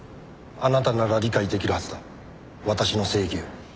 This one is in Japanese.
あなたなら理解出来るはずだ私の正義を。